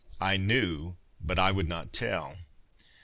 I knew, but I would not tell.